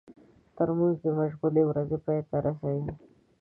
ترموز د مشغولې ورځې پای ته رسوي.